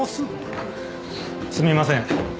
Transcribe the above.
すみません。